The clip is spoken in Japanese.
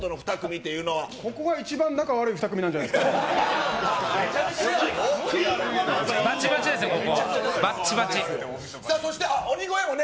ここが一番仲悪い２組なんじゃないですかね。